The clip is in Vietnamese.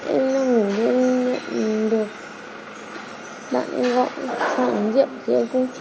em đang ngủ bên nhà mình được bạn em gọi xong rượu thì em cũng chỉ nghĩ là có rượu thôi